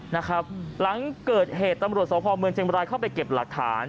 หลังเกิดเหตุตำรวจสพเมืองเชียงบรายเข้าไปเก็บหลักฐาน